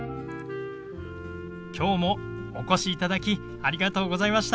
きょうもお越しいただきありがとうございました。